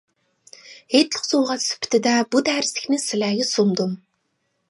ھېيتلىق سوۋغات سۈپىتىدە بۇ دەرسلىكنى سىلەرگە سۇندۇم.